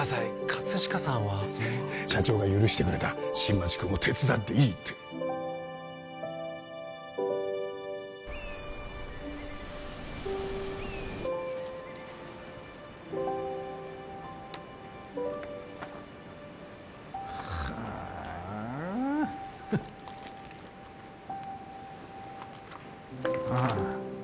葛飾さんはその社長が許してくれた新町君を手伝っていいってはあフッああ